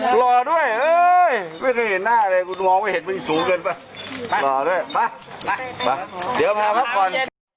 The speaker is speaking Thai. ดูมาชวิตเพื่อนอาหาร